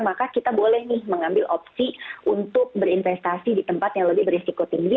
maka kita boleh nih mengambil opsi untuk berinvestasi di tempat yang lebih berisiko tinggi